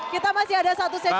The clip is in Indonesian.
kita masih ada satu sesi lagi